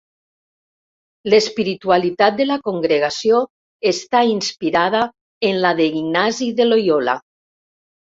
L'espiritualitat de la congregació està inspirada en la d'Ignasi de Loiola.